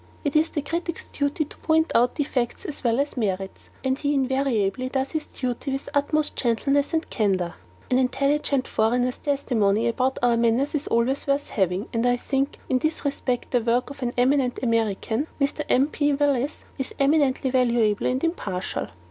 It is the critic's duty to point out defects as well as merits, and he invariably does his duty with utmost gentleness and candour. An intelligent foreigner's testimony about our manners is always worth having, and I think, in this respect the work of an eminent American, Mr. N. P. Willis is eminently valuable and impartial.